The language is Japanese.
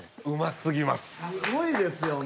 すごいですよね。